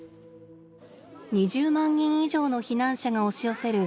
２０万人以上の避難者が押し寄せる